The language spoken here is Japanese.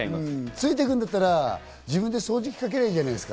着いてくんだったら、自分で掃除機をかけりゃいいじゃないですか。